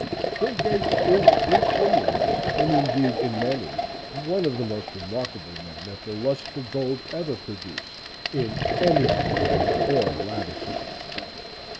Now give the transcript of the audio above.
Bill Gates is in some ways, and indeed in many, one of the most remarkable men that the lust for gold ever produced in any clime or latitude.